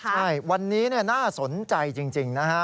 ใช่วันนี้น่าสนใจจริงนะฮะ